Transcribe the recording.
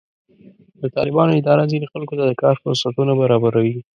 د طالبانو اداره ځینې خلکو ته د کار فرصتونه برابروي.